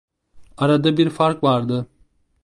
Arada bir fark vardı.